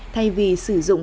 thay vì sử dụng